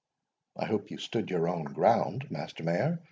"I hope you stood your own ground, Master Mayor?"